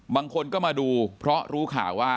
บางคนก็มาดูเพราะรู้ข่าวว่า